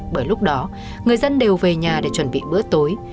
bởi lúc đó người dân đều về nhà để chuẩn bị bữa tối